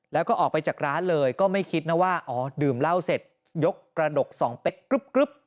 แล้วก็ออกไปจากร้านเลยก็ไม่คิดนะว่าดื่มเหล้าเสร็จยกกระดก๒เป๊ก